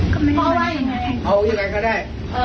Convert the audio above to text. กลับไปก่อนก็ได้